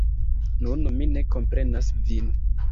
Nun mi ne komprenas vin.